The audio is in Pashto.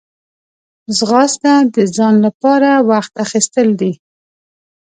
ځغاسته د ځان لپاره وخت اخیستل دي